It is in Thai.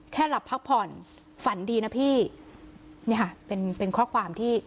หลับพักผ่อนฝันดีนะพี่นี่ค่ะเป็นเป็นข้อความที่